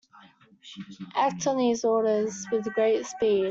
Act on these orders with great speed.